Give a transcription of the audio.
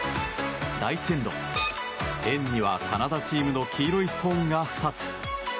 第１エンド円にはカナダチームの黄色いストーンが２つ。